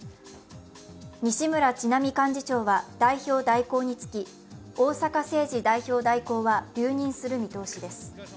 西村智奈美幹事長は代表代行に就き逢坂誠二代表代行は留任する見通しです。